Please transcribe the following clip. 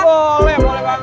boleh boleh banget